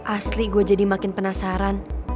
asli gue jadi makin penasaran